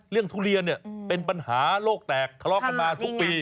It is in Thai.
เรื่องทุเรียนเนี่ยเป็นปัญหาโลกแตกคลอดกันมาทุกปี